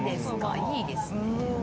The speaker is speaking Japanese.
いいですね。